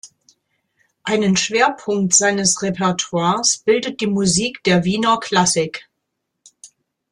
Einen Schwerpunkt seines Repertoires bildet die Musik der Wiener Klassik.